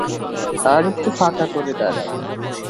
আরেকটু ফাঁকা করে দাঁড়াও।